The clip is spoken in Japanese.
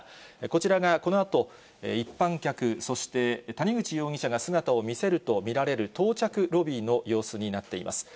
こちらがこのあと、一般客、そして谷口容疑者が姿を見せると見られる到着ロビーの様子になっています。